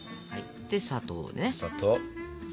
で砂糖ね。